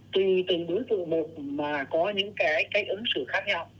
tùy từng bối tượng một mà có những cách ứng xử khác nhau